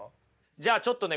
じゃあちょっとね